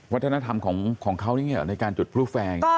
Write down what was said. วัฒนธรรมของเขาอย่างนี้หรอในการจุดพลุแฟลล์